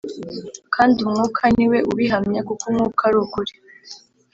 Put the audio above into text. kandi Umwuka ni we ubihamya, kuko Umwuka ari ukuri